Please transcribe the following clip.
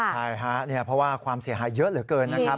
ใช่ฮะเพราะว่าความเสียหายเยอะเหลือเกินนะครับ